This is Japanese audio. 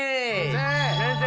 先生。